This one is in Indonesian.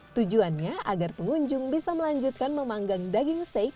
tujuannya agar pengunjung bisa melanjutkan memanggang daging steak